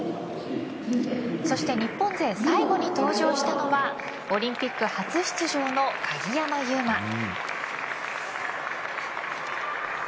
そして日本勢最後に登場したのがオリンピック初出場の鍵山優真。